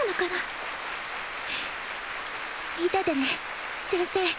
見ててね先生。